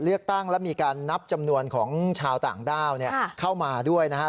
เลือกตั้งและมีการนับจำนวนของชาวต่างด้าวเข้ามาด้วยนะฮะ